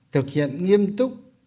thực hiện nghiêm túc